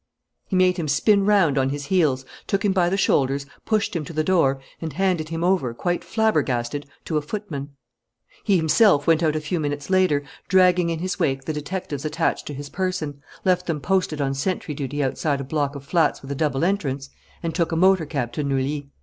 He made him spin round on his heels, took him by the shoulders, pushed him to the door, and handed him over, quite flabbergasted, to a footman. He himself went out a few minutes later, dragging in his wake the detectives attached to his person, left them posted on sentry duty outside a block of flats with a double entrance, and took a motor cab to Neuilly.